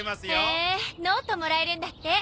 へえノートもらえるんだって。